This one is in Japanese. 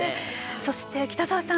そして北澤さん